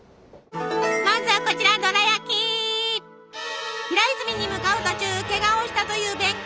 まずはこちら平泉に向かう途中けがをしたという弁慶。